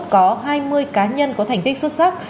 có hai mươi cá nhân có thành tích xuất sắc